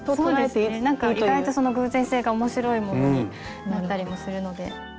意外とその偶然性が面白いものになったりもするので。